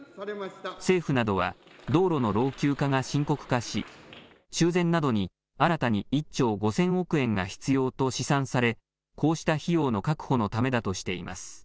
政府などは道路の老朽化が深刻化し修繕などに新たに１兆５０００億円が必要と試算され、こうした費用の確保のためだとしています。